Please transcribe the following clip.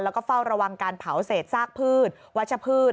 แล้วก็เฝ้าระวังการเผาเศษซากพืชวัชพืช